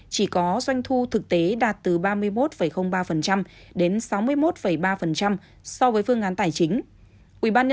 chỉ có doanh thu thực tế đạt từ ba mươi một ba đến sáu mươi một ba so với phương án tài chính